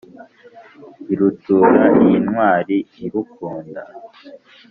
irutura iyi ntwali irukunda